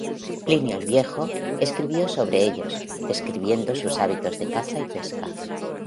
Plinio el Viejo escribió sobre ellos, describiendo sus hábitos de caza y pesca.